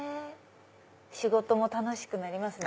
仕事も楽しくなりますね